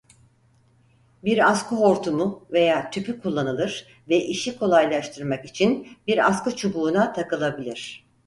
Bir askı hortumu veya tüpü kullanılır ve işi kolaylaştırmak için bir askı çubuğuna takılabilir.